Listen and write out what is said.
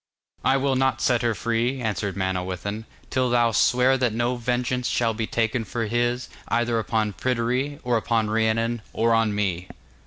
'I will not set her free,' answered Manawyddan, 'till thou swear that no vengeance shall be taken for his, either upon Pryderi, or upon Rhiannon, or on me.